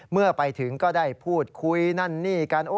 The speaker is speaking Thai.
เมื่อไปถึงก็ได้พูดคุยนั่นนี่กัน